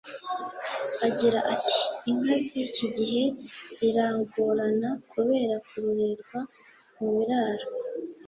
Agira ati “Inka z’iki gihe ziragorana kubera kororerwa mu biraro